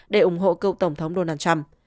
để ủng hộ cậu tổng thống donald trump